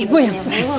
ibu yang stress